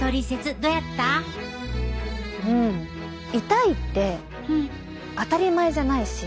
痛いって当たり前じゃないし。